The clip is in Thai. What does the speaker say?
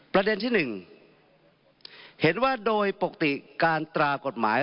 ประเด็นที่๑เห็นว่าโดยปกติการตรากฎหมาย